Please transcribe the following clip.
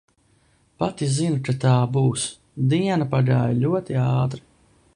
Pat ja zinu, ka tā būs. Diena pagāja ļoti ātri.